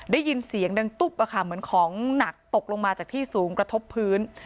ได้ยินเสียงดังตุ๊บเหมือนของหนักตกลงมาจากที่สูงกระทบพื้น